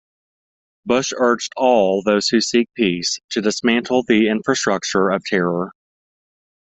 "Bush urged all "those who seek peace... to dismantle the infrastructure of terror".